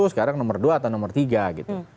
sekarang nomor dua atau nomor tiga gitu